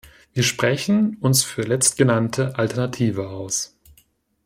Wir sprechen uns für letztgenannte Alternative aus!